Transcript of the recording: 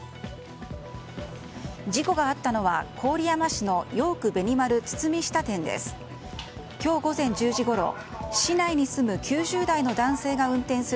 事故があったのは、郡山市のヨークベニマル堤下店です。